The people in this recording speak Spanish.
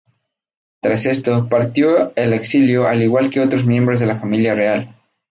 Tras esto, partió al exilio al igual que otros miembros de la familia real.